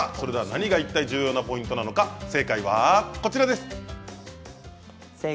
何がいったい重要なポイントなのか正解はこちらです。